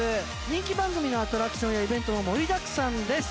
人気番組のアトラクションやイベントも盛りだくさんです。